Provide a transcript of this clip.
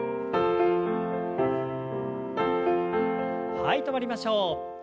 はい止まりましょう。